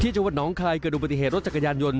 จังหวัดน้องคายเกิดดูปฏิเหตุรถจักรยานยนต์